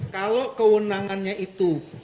kalau kewenangannya itu